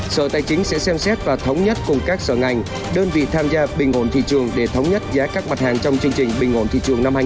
sở tài chính sẽ xem xét và thống nhất cùng các sở ngành đơn vị tham gia bình ổn thị trường để thống nhất giá các mặt hàng trong chương trình bình ổn thị trường năm hai nghìn hai mươi